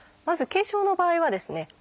まず軽症の場合はですね